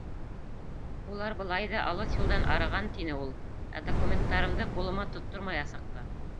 Улар былай ҙа алыҫ юлдан арыған, — тине ул. Ә документтарымды ҡулыма тоттормаясаҡ та!